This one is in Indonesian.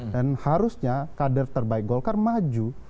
dan harusnya kader terbaik golkar maju